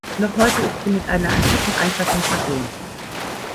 Noch heute ist sie mit einer antiken Einfassung versehen.